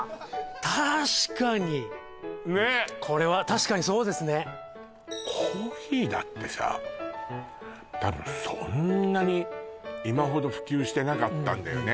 確かにねっこれは確かにそうですねコーヒーだってさ多分そんなに今ほど普及してなかったんだよね